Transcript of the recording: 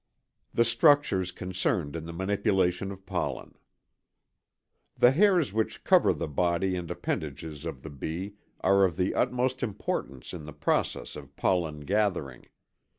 THE STRUCTURES CONCERNED IN THE MANIPULATION OF POLLEN. The hairs which cover the body and appendages of the bee are of the utmost importance in the process of pollen gathering.